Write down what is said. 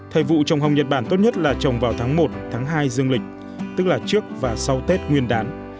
thời vụ trồng hồng nhật bản tốt nhất là trồng vào tháng một tháng hai dương lịch tức là trước và sau tết nguyên đán